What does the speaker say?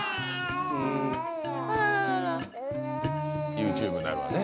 ＹｏｕＴｕｂｅなるわね